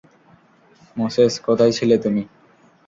Moses, কোথায় ছিলে তুমি?